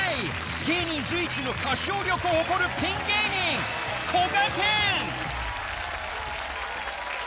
芸人随一の歌唱力を誇るピン芸人、こがけん。